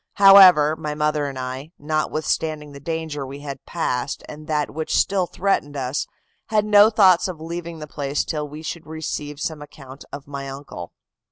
However, my mother and I, notwithstanding the danger we had passed and that which still threatened us, had no thoughts of leaving the place till we should receive some account from my uncle.